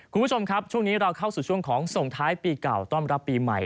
คุณผู้ชมครับช่วงนี้เราเข้าสู่ช่วงของส่งท้ายปีเก่าต้อนรับปีใหม่